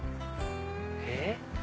えっ？